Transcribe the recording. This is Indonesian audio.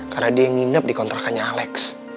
karena dia yang nginep di kontrakannya alex